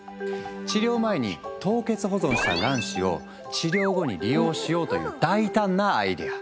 治療前に凍結保存した卵子を治療後に利用しようという大胆なアイデア。